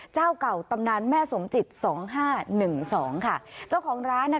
เจ้าเก่าตำนานแม่สมจิตสองห้าหนึ่งสองค่ะเจ้าของร้านน่ะ